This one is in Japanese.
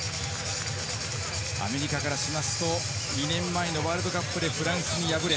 アメリカからしますと、２年前のワールドカップでフランスに敗れ